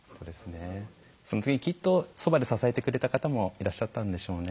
その時きっとそばで支えてくれた方もいらっしゃったんでしょうね。